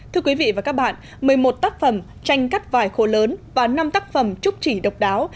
thưa quý vị và các bạn một mươi một tác phẩm tranh cắt vải khổ lớn và năm tác phẩm trúc chỉ độc đáo